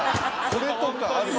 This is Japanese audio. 「これ」とかある？